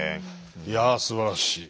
いやすばらしい。